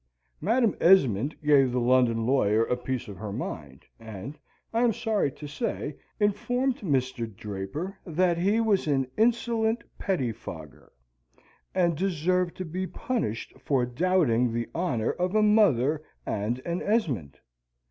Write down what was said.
Madam Esmond gave the London lawyer a piece of her mind, and, I am sorry to say, informed Mr. Draper that he was an insolent pettifogger, and deserved to be punished for doubting the honour of a mother and an Esmond.